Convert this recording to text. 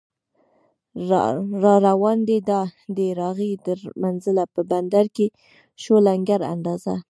راروان دی دا دی راغی تر منزله، په بندر کې شو لنګر اندازه